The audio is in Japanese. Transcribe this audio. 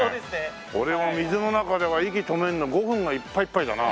俺も水の中では息止めるの５分がいっぱいいっぱいだな。